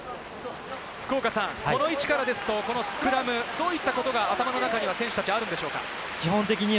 福岡さん、この位置からですとスクラム、どういったことが頭の中には選手たち、あるんでしょうか？